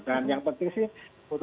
dan yang penting sih